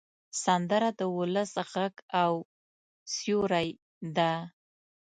سندره د ولس غږ او سیوری ده